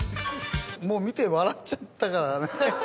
もう見て笑っちゃったからね。